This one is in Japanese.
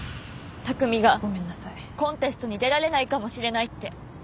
拓海がコンテストに出られないかもしれないって。